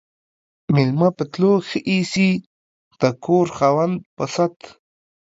ميلمه په تلو ښه ايسي ، د کور خاوند په ست.